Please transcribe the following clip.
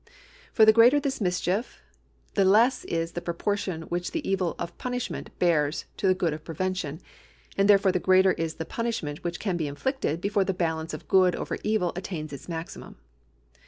For the greater this mischief the less is the proportion which the evil of punishment bears to the good of prevention, and therefore the greater is the punish ment which can be inflicted before the balance of good over evil attains its maximum.